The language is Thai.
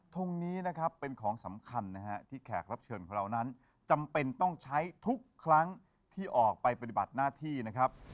ทงนี้นะครับเป็นของสำคัญนะฮะที่แขกรับเชิญของเรานั้นจำเป็นต้องใช้ทุกครั้งที่ออกไปปฏิบัติหน้าที่นะครับ